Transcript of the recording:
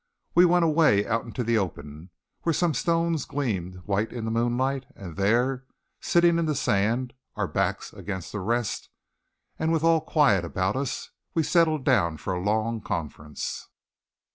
We went away out into the open where some stones gleamed white in the moonlight, and there, sitting in the sand, our backs against a rest, and with all quiet about us, we settled down for a long conference.